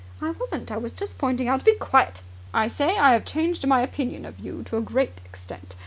"I wasn't. I was just pointing out ..." "Be quiet! I say I have changed my opinion of you to a great extent.